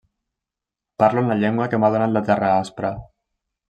Parlo en la llengua que m’ha donat la terra aspra.